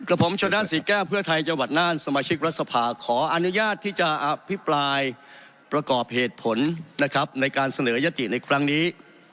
ผมชนะศรีแก้วเพื่อไทยจังหวัดน่านสมาชิกรัฐสภาขออนุญาตที่จะอภิปรายประกอบเหตุผลนะครับในการเสนอยติในครั้งนี้